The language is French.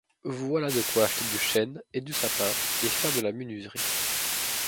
Voilà de quoi acheter du chêne et du sapin et faire de la menuiserie.